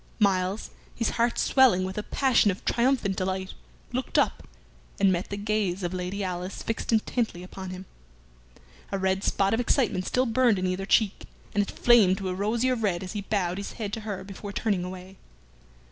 Myles, his heart swelling with a passion of triumphant delight, looked up and met the gaze of Lady Alice fixed intently upon him. A red spot of excitement still burned in either cheek, and it flamed to a rosier red as he bowed his head to her before turning away.